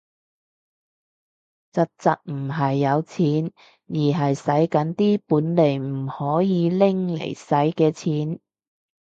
宅宅唔係有錢，而係洗緊啲本來唔可以拎嚟洗嘅錢